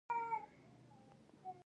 دا ښيي چې څنګه ناهمغږي رامنځته کیږي.